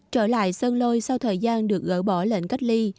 trở lại sơn lôi sau thời gian được gỡ bỏ lệnh cách ly